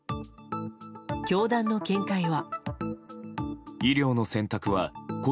教団の見解は。